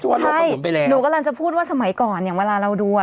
เฉพาะโรคมนุ่นไปแล้วใช่หนูกำลังจะพูดว่าสมัยก่อนเนี้ยเวลาเราดูอ่ะ